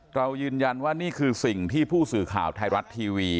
เรายืนยันว่านี่คือสิ่งที่ผู้สื่อข่าวไทยรัฐทีวี